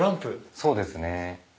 そうですね。